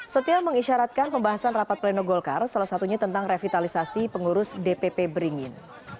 setia mengisyaratkan pembahasan rapat pleno golkar salah satunya tentang revitalisasi pengurus dpp beringin